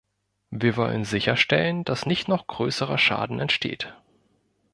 Wir wollen sicherstellen, dass nicht noch größerer Schaden entsteht.